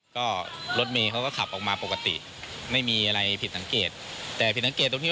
ก็รถเมย์เขาก็ขับออกมาปกติไม่มีอะไรผิดสังเกตแต่ผิดสังเกตตรงที่